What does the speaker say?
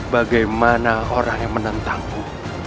bagaimana orang yang menentangku